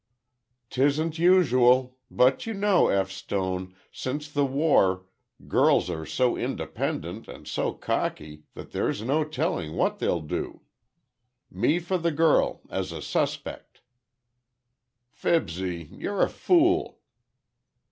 "'Tisn't usual—but, you know, F. Stone, since the war, girls are so independent and so cocky that there's no telling what they'll do. Me for the girl—as a suspect." "Fibsy, you're a fool."